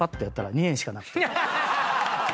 ２円しかなくて。